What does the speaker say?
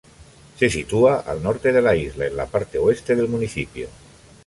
Se sitúa al norte de la isla, en la parte oeste del municipio.